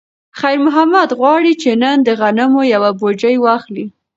خیر محمد غواړي چې نن د غنمو یوه بوجۍ واخلي.